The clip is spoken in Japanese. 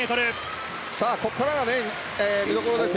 ここからが見どころです。